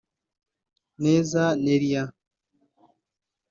Neza Neriah